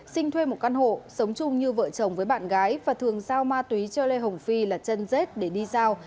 sinh thuê một căn hộ sống chung như vợ chồng với bạn gái và thường giao ma túy cho lê hồng phi là chân rết để đi giao